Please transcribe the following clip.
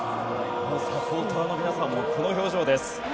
サポーターの方たちもこの表情です。